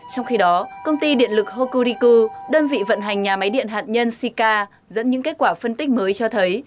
trong khi đó công ty điện lực hokuriku đơn vị vận hành nhà máy điện hạt nhân sika dẫn những kết quả phân tích mới cho thấy